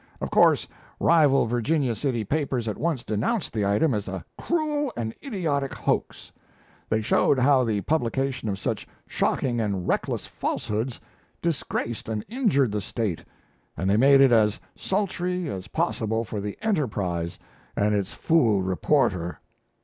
Of course rival Virginia City papers at once denounced the item as a "cruel and idiotic hoax." They showed how the publication of such "shocking and reckless falsehoods" disgraced and injured the State, and they made it as "sultry" as possible for the 'Enterprise' and its "fool reporter."